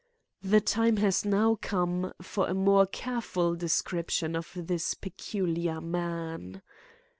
The time has now come for a more careful description of this peculiar man.